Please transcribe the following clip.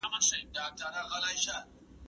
زه اوږده وخت موټر کاروم!.